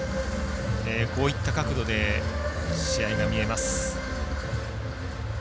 こういった角度で試合が見えます。